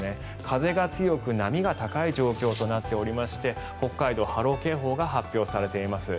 風が強く、波が高い状況となっておりまして北海道、波浪警報が発表されています。